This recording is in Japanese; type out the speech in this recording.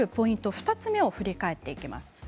２つ目を振り返っていきます。